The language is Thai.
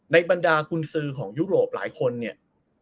บรรดากุญสือของยุโรปหลายคนเนี่ย